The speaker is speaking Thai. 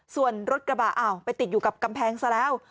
ส่วนรถกระบะอ้าวไปติดอยู่กับกำแพงซะแล้ว